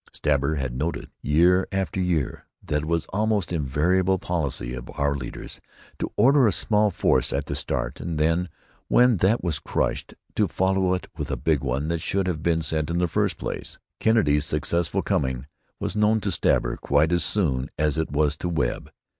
Stabber had noted, year after year, that it was the almost invariable policy of our leaders to order a small force at the start, and then, when that was crushed, to follow it with the big one that should have been sent in the first place. Kennedy's successful coming was known to Stabber quite as soon as it was to Webb.